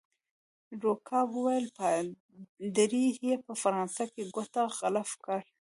روکا وویل: پادري يې په فرانسه کې کوټه قلف کړه.